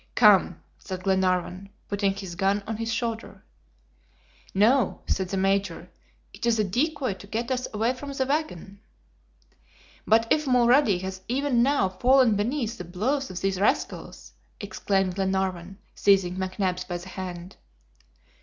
"Come," said Glenarvan, putting his gun on his shoulder. "No," said the Major. "It is a decoy to get us away from the wagon." "But if Mulrady has even now fallen beneath the blows of these rascals?" exclaimed Glenarvan, seizing McNabbs by the hand.